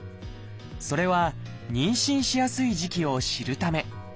それは妊娠しやすい時期を知るため。